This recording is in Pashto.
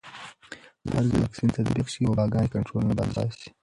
هرځل چې واکسین تطبیق شي، وباګانې کنټرول نه باسي.